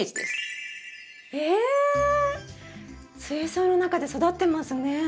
水槽の中で育ってますね。